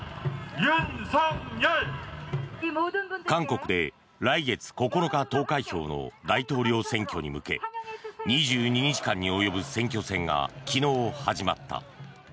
韓国で来月９日投開票の大統領選挙に向け２２日間に及ぶ選挙戦が昨日始まった。